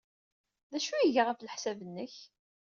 D acu ay iga, ɣef leḥsab-nnek?